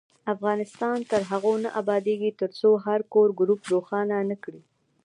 افغانستان تر هغو نه ابادیږي، ترڅو هر کور ګروپ روښانه نکړي.